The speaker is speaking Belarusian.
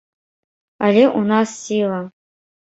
Але ў нас сіла.